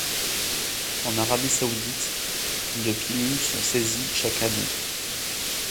En Arabie saoudite, de pilules sont saisies chaque année.